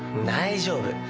大丈夫。